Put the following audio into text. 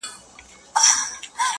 خو كله ! كله مي بيا!